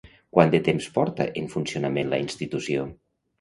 Quant de temps porta en funcionament la institució?